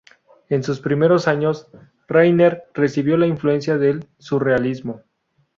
En sus primeros años, Rainer recibió la influencia del surrealismo.